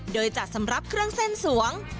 โดยจัดสำหรับเครื่องเส้นสวง